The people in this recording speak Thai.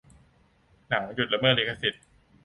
หนัง หยุดละเมิดลิขสิทธิ์